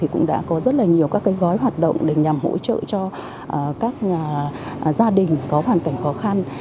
cũng đã có rất là nhiều các gói hoạt động để nhằm hỗ trợ cho các gia đình có hoàn cảnh khó khăn